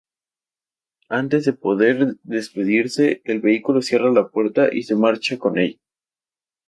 Antes de poder despedirse, el vehículo cierra la puerta y se marcha con ella.